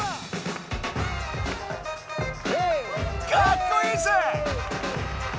かっこいいぜ！